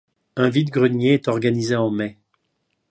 Un vide-greniers est organisé en mai.